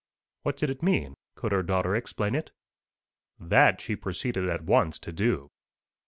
"What did it mean? Could her daughter explain it?" "That she proceeded at once to do.